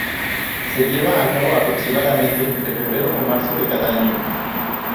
Se lleva a cabo aproximadamente entre febrero o marzo de cada año.